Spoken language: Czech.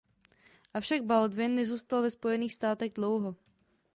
Avšak Baldwin nezůstal ve Spojených státech dlouho.